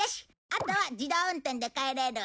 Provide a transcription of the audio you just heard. あとは自動運転で帰れる。